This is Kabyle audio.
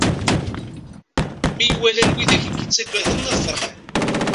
Mi yi-walan wid i k-ittaggaden, ad ferḥen.